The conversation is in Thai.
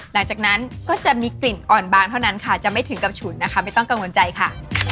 หลังจากนั้นก็จะมีกลิ่นอ่อนบางเท่านั้นค่ะจะไม่ถึงกับฉุนนะคะไม่ต้องกังวลใจค่ะ